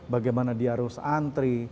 bagaimana diharus antri